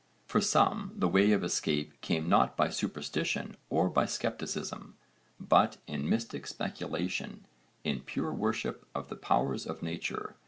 For some the way of escape came not by superstition or by scepticism, but in mystic speculation, in pure worship of the powers of nature.